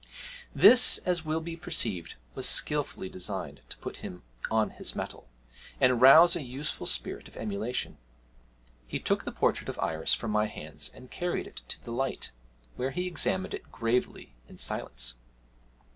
This, as will be perceived, was skilfully designed to put him on his mettle, and rouse a useful spirit of emulation. He took the portrait of Iris from my hands and carried it to the light, where he examined it gravely in silence.